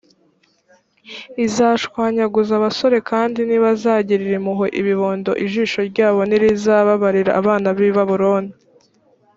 izashwanyaguza abasore kandi ntibazagirira impuhwe ibibondo ijisho ryabo ntirizababarira abana b’i babuloni